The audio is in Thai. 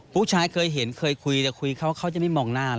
ผู้ชายเคยเห็นเคยคุยแต่คุยเขาเขาจะไม่มองหน้า